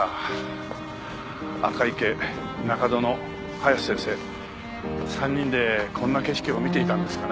赤池中園早瀬先生３人でこんな景色を見ていたんですかね。